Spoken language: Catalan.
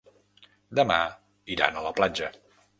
Demà iran a la platja.